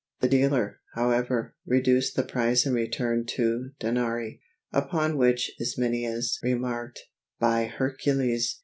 The dealer, however, reduced the price and returned two denarii; upon which Ismenias remarked, "By Hercules!